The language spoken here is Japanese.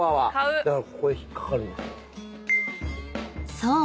［そう。